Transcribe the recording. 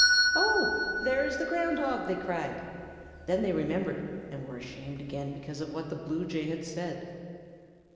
"Oh, there is the Ground Hog!" they cried. Then they remembered and were ashamed again because of what the Blue Jay had said.